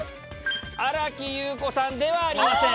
新木優子さんではありません。